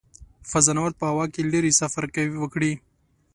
فضانورد په هوا کې لیرې سفر وکړي.